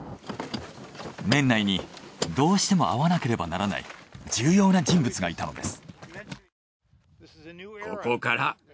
年内にどうしても会わなければならない重要な人物がいたのです。